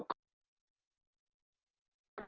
เข้าบ้าง